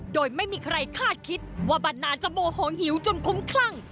โดยไม่มีใครคาดคิดว่าบันนาจะโมโหหิวจนคุ้มคลั่ง